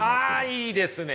あいいですね。